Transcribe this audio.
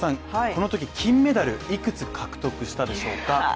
このとき金メダルいくつ獲得したでしょうか